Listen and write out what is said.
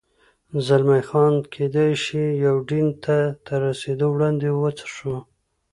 زلمی خان: کېدای شي یوډین ته تر رسېدو وړاندې، وڅښو.